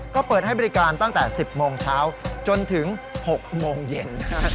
ก็เปิดให้บริการตั้งแต่๑๐โมงเช้าจนถึง๖โมงเย็น